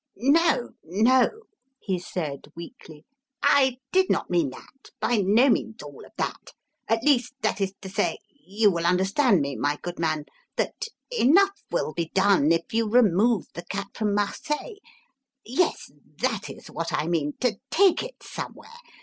"No! No!" he said weakly. "I did not mean that by no means all of that. At least that is to say you will understand me, my good man, that enough will be done if you remove the cat from Marseille. Yes, that is what I mean take it somewhere.